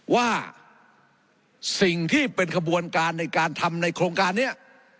ว่าสิ่งที่เป็นขบวนการในการทำในโครงการนี้